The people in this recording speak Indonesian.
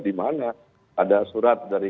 di mana ada surat dari